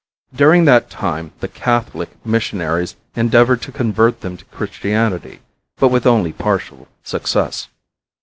During that time the Catholic missionaries endeavored to convert them to Christianity, but with only partial success.